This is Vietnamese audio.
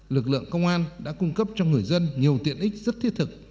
lực lượng công an đã cung cấp cho người dân nhiều tiện ích rất thiết thực